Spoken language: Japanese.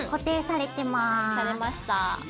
されました。